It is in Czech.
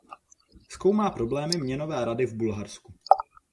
Zkoumá problémy měnové rady v Bulharsku.